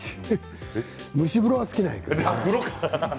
蒸し風呂は好きなんやけどな。